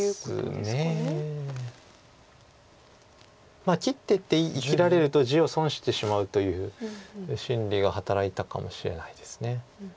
まあ切っていって生きられると地を損してしまうという心理が働いたかもしれないです。